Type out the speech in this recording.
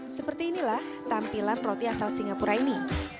seperti inilah tampilan roti asal singapura ini